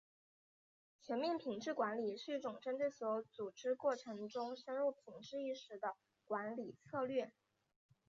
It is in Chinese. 全面品质管理是一种针对所有组织过程中深入品质意识的管理策略。